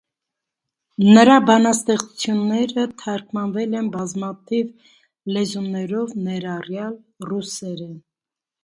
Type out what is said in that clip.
Նրա բանաստեղծությունները թարգմանվել են բազմաթիվ լեզուներով, ներառյալ ռուսերեն։